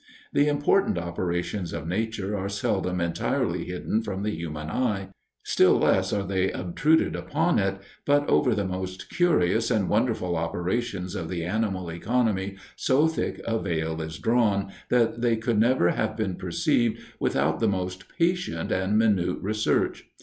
The important operations of nature are seldom entirely hidden from the human eye; still less are they obtruded upon it, but over the most curious and wonderful operations of the animal economy so thick a veil is drawn, that they never could have been perceived without the most patient and minute research.